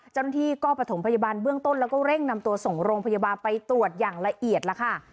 เจ้าหน้าที่ก็ประถมพยาบาลเบื้องต้นแล้วก็เร่งนำตัวส่งโรงพยาบาลไปตรวจอย่างละเอียดแล้วค่ะ